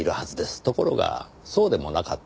ところがそうでもなかった。